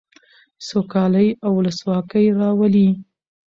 سوکالي او ولسواکي راولي.